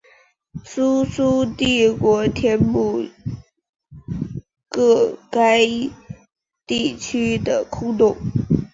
苏苏帝国填补个该地区的空洞。